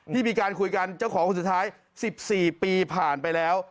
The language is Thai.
มีการคุยกันเจ้าของคนสุดท้าย๑๔ปีผ่านไปแล้ว